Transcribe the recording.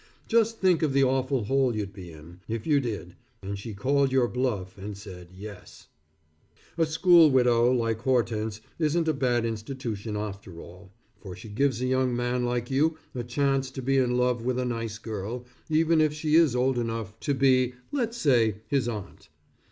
Just think of the awful hole you'd be in, if you did, and she called your bluff and said, "Yes." A school widow like Hortense, isn't a bad institution after all, for she gives a young man like you a chance to be in a love with a nice girl, even if she is old enough to be, let's say, his aunt.